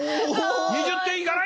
２０点いかない。